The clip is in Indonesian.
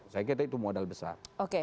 saya kira itu modal besar